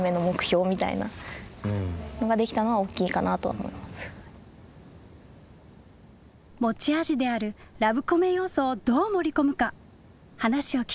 持ち味であるラブコメ要素をどう盛り込むか話を聞きます。